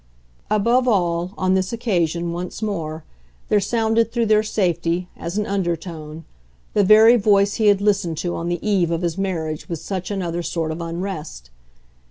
Above all, on this occasion, once more, there sounded through their safety, as an undertone, the very voice he had listened to on the eve of his marriage with such another sort of unrest.